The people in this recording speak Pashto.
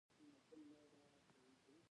په افغانستان کې د ځمکه تاریخ اوږد دی.